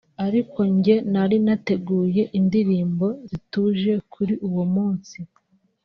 ariko njye nari nateguye indirimbo zituje kuri uwo munsi